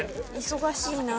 忙しいな。